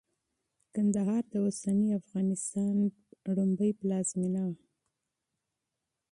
کندهار د معاصر افغانستان لومړنۍ پلازمېنه وه.